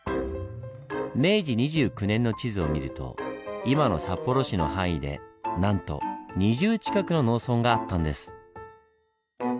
明治２９年の地図を見ると今の札幌市の範囲でなんと２０近くの農村があったんです。